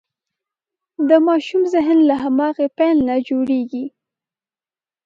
د ماشوم ذهن له هماغې پیل نه جوړېږي.